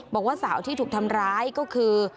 บอกว่าสาวที่ถูกทำร้ายก็คือ